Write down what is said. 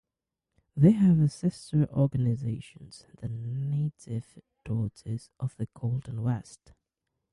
They have a sister organization, the Native Daughters of the Golden West.